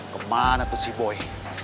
kemana tuh si boy